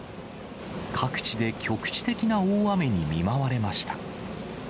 各地で局地的な大雨に見舞われました。